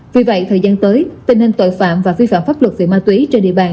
vì vậy thời gian tới tình hình tội phạm và vi phạm pháp luật về ma túy trên địa bàn